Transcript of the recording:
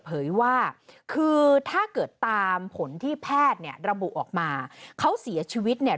เผยว่าคือถ้าเกิดตามผลที่แพทย์เนี่ยระบุออกมาเขาเสียชีวิตเนี่ย